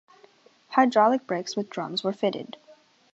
Hydraulic brakes with drums were fitted.